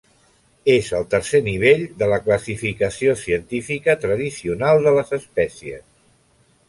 És el tercer nivell de la classificació científica tradicional de les espècies.